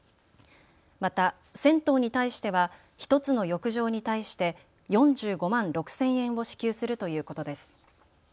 また銭湯に対しては１つの浴場に対して４５万６０００円を支給するということです。